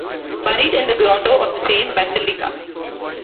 Buried in the grotto of the same basilica.